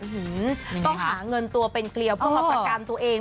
ต้องหาเงินตัวเป็นเกลียวเพื่อมาประกันตัวเอง